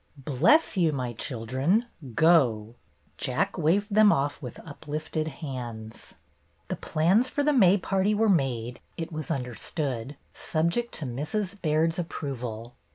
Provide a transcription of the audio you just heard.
"Bless you, my children! Go!" Jack waved them off with uplifted hands. The plans for the May Party were made, it was understood, subject to Mrs. Baird's approval.